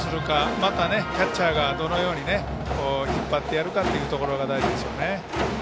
また、キャッチャーがどのように引っ張ってやるかというところが大事でしょうね。